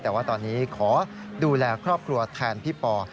แต่ว่าตอนนี้ขอดูแลครอบครัวแทนพี่ปอ